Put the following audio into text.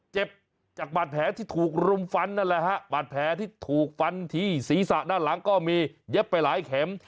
เจ็บจากบาดแผลที่ถูกรุมฟันนั่นแหละฮะบาดแผลที่ถูกฟันที่ศีรษะด้านหลังก็มีเย็บไปหลายเข็ม